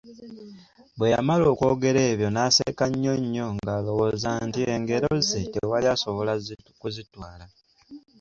Bwe yamala okwogera ebyo n'aseka nnyo nnyo ng'alwooza nti engero ze tewali asobola kuzitwala.